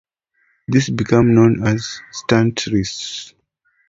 These became known as "Stuart Recce".